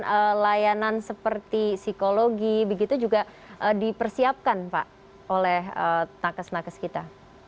kemudian layanan seperti psikologi begitu juga dipersiapkan pak oleh nakes nakes kita